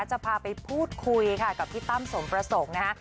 จะพาไปพูดคุยค่ะกับพี่ตั้มสมประสงค์นะคะ